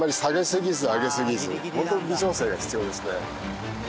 ホントに微調整が必要ですね。